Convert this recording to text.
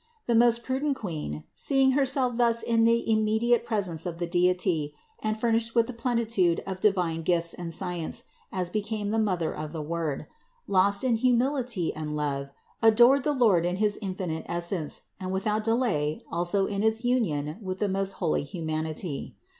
The most prudent Queen, seeing Herself thus in the immediate presence of the Deity and furnished with the plenitude of divine gifts and science as became the Mother of the Word, lost in humility and love, adored the Lord in his infinite essence, and without de lay also in its union with the most holy humanity.